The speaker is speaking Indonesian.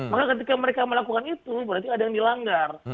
maka ketika mereka melakukan itu berarti ada yang dilanggar